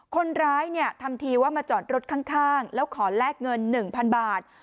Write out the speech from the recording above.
คนร้ายเนี่ยทำทีว่ามาจอดรถข้างข้างแล้วขอแลกเงินหนึ่งพันบาท